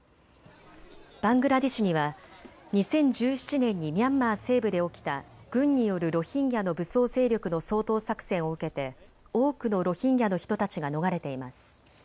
バングラデシュには２０１７年にミャンマー西部で起きた軍によるロヒンギャの武装勢力の掃討作戦を受けて多くのロヒンギャの人たちが逃れています。